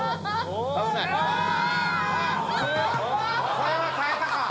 これは耐えたか！